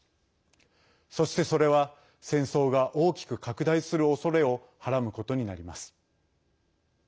そして、それは戦争が大きく拡大するおそれをはらむことになります。